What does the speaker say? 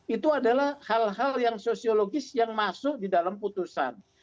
itu adalah hal hal yang sosiologis yang masuk di dalam putusan